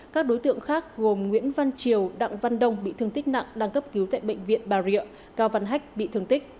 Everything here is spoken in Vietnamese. các đối tượng khác gồm nguyễn văn triều đặng văn đông bị thương tích nặng đang cấp cứu tại bệnh viện bà rịa cao văn hách bị thương tích